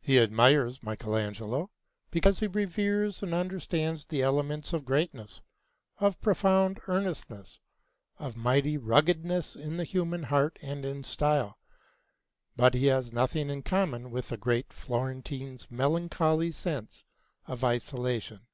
He admires Michelangelo because he reveres and understands the elements of greatness, of profound earnestness, of mighty ruggedness in the human heart and in style; but he has nothing in common with the great Florentine's melancholy sense of isolation.